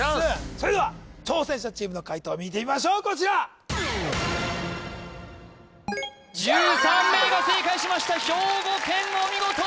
それでは挑戦者チームの解答を見てみましょうこちら１３名が正解しました兵庫県お見事！